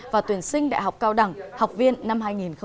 và tuyển sinh đại học cao đẳng học viên năm hai nghìn hai mươi